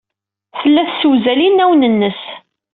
Tella tessewzal inawen-nnes.